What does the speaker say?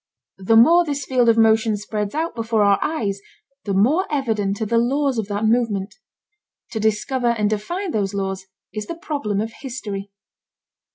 The more this field of motion spreads out before our eyes, the more evident are the laws of that movement. To discover and define those laws is the problem of history.